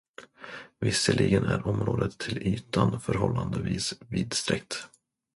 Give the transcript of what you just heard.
Visserligen är området till ytan förhållandevis vidsträckt.